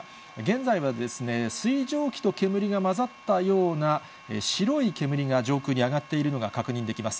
現在は水蒸気と煙が混ざったような白い煙が上空に上がっているのが確認できます。